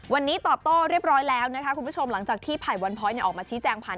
วันนี้ตอบโต้เรียบร้อยแล้วนะคะคุณผู้ชมหลังจากที่ไผ่วันพ้อยออกมาชี้แจงผ่าน